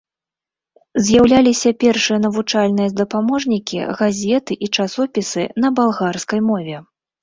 З'яўляліся першыя навучальныя дапаможнікі, газеты і часопісы на балгарскай мове.